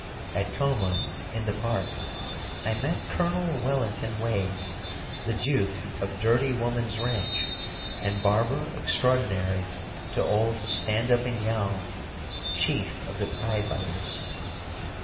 At Como, in the park, I met Col. Wellington Wade, the Duke of Dirty Woman's Ranch, and barber extraordinary to old Stand up and Yowl, chief of the Piebiters.